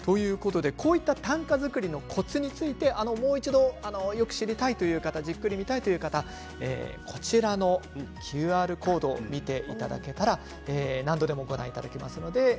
短歌作りのコツについてよく知りたいという方じっくり見たいという方はＱＲコードを見ていただけたら何度でもご覧いただけます。